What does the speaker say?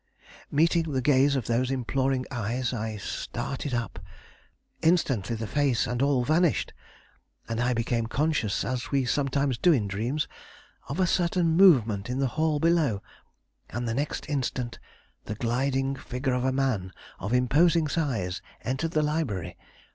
"Meeting the gaze of those imploring eyes, I started up. Instantly the face and all vanished, and I became conscious, as we sometimes do in dreams, of a certain movement in the hall below, and the next instant the gliding figure of a man of imposing size entered the library.